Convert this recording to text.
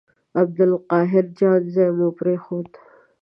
عبدالقاهر جان ځای مو پرېښود.